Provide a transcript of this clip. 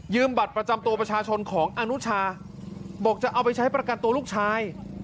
บัตรประจำตัวประชาชนของอนุชาบอกจะเอาไปใช้ประกันตัวลูกชาย